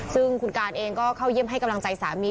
ซึ่งคุณการเองก็เข้าเยี่ยมให้กำลังใจสามี